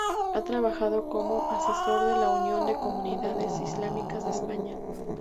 Ha trabajado como asesor de la Unión de Comunidades Islámicas de España.